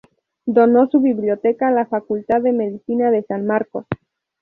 Donó su biblioteca a la Facultad de Medicina de San Marcos.